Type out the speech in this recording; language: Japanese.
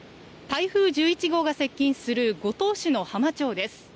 台風１１号が接近する五島市の浜町です。